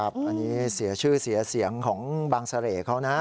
อันนี้เสียชื่อเสียเสียงของบางเสร่เขานะ